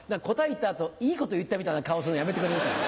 言った後「いいこと言った」みたいな顔するのやめてくれないかな。